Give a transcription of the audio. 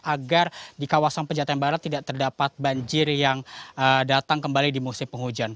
agar di kawasan penjataan barat tidak terdapat banjir yang datang kembali di musim penghujan